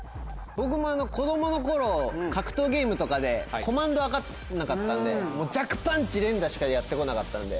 僕も子供の頃格闘ゲームとかでコマンド分かんなかったんで弱パンチ連打しかやったことなかったんで。